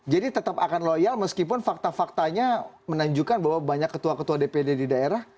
jadi tetap akan loyal meskipun fakta faktanya menunjukkan bahwa banyak ketua ketua dpd di daerah